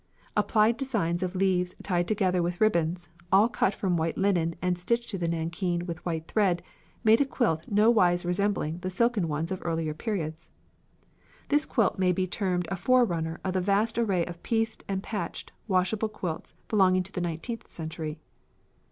Applied designs of leaves tied together with ribbons, all cut from white linen and stitched to the nankeen with white thread, made a quilt no wise resembling the silken ones of earlier periods. This quilt may be termed a forerunner of the vast array of pieced and patched washable quilts belonging to the nineteenth century.